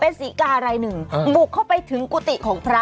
เป็นสีกาอะไรหนึ่งบุกเข้าไปถึงกุฏิของพระ